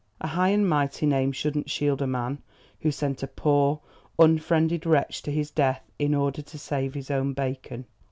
A high and mighty name shouldn't shield a man who sent a poor, unfriended wretch to his death in order to save his own bacon.